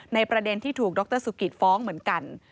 ประเด็นที่ถูกดรสุกิตฟ้องเหมือนกัน